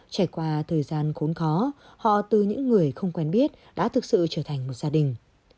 trải qua thời gian khốn khó họ từ những người không quen biết đã thực sự trở thành một gia đình